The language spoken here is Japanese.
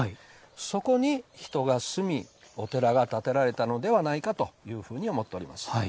そこに人が住みお寺が建てられたのではないかというふうに思っております。